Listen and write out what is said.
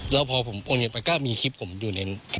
แล้วพอผมโอนเงินไปก็มีคลิปผมอยู่ในนั้น